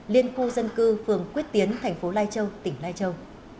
liên khu dân cư phường quyết tiến thành phố lai châu tỉnh lai châu